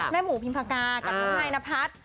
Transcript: แม่หมูพิมพากากับน้องนายนพัด